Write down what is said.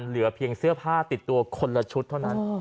เหลือเพียงเสื้อผ้าติดตัวคนละชุดเท่านั้น